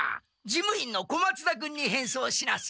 事務員の小松田君に変装しなさい。